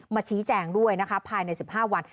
ชี้แจงด้วยนะคะภายใน๑๕วัน